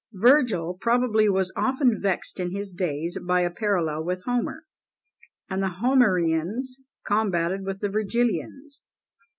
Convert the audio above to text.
Virgil probably was often vexed in his days by a parallel with Homer, and the Homerians combated with the Virgilians.